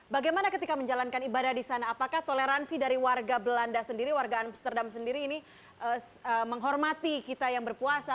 bagaimana ketika menjalankan ibadah di sana apakah toleransi dari warga belanda sendiri warga amsterdam sendiri ini menghormati kita yang berpuasa